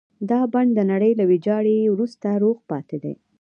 دا بڼ د نړۍ له ويجاړۍ وروسته روغ پاتې دی.